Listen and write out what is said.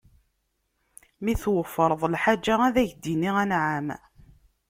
Mi tweffreḍ lḥaǧa, ad ak-d-tini anɛam.